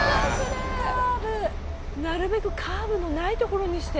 なるべくカーブのない所にして。